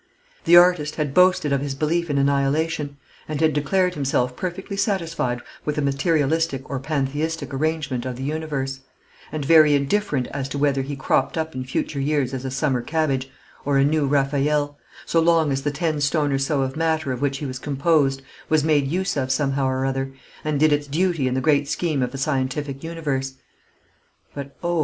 The artist had boasted of his belief in annihilation; and had declared himself perfectly satisfied with a materialistic or pantheistic arrangement of the universe, and very indifferent as to whether he cropped up in future years as a summer cabbage, or a new Raphael; so long as the ten stone or so of matter of which he was composed was made use of somehow or other, and did its duty in the great scheme of a scientific universe. But, oh!